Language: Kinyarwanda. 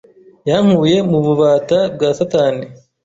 yankuye mu bubata bwa satani